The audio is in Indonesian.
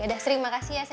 ya udah sri makasih ya sri